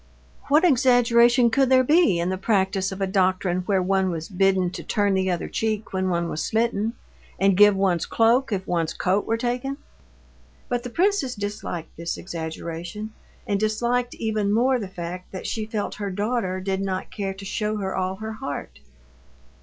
What exaggeration could there be in the practice of a doctrine wherein one was bidden to turn the other cheek when one was smitten, and give one's cloak if one's coat were taken? But the princess disliked this exaggeration, and disliked even more the fact that she felt her daughter did not care to show her all her heart.